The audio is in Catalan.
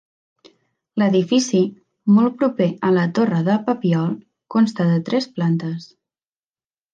L'edifici, molt proper a la Torre de Papiol, consta de tres plantes.